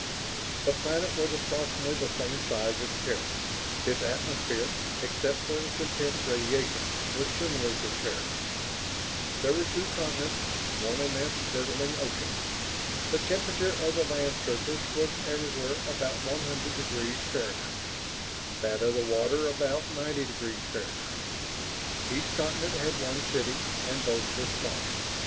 The planet was approximately the same size as Terra; its atmosphere, except for its intense radiation, was similar to Terra's. There were two continents; one immense girdling ocean. The temperature of the land surface was everywhere about 100°F, that of the water about 90°F. Each continent had one city, and both were small.